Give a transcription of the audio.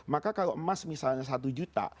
maka kalau emas misalnya satu juta